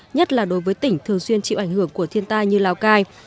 nhất là đối với tỉnh thường xuyên chịu ảnh hưởng của thiên tai như lào cai